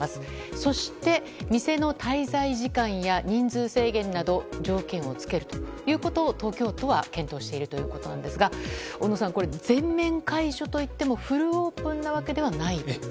そして、店の滞在時間や人数制限など条件を付けるということを東京都は検討しているということなんですが小野さん、全面解除といってもフルオープンなわけじゃないですね。